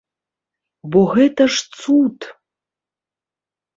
Бо гэта ж цуд!